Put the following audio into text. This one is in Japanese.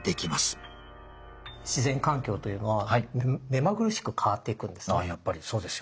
自然環境というのは目まぐるしく変わっていくんですね。